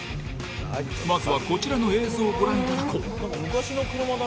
まずはこちらの映像をご覧いただこう。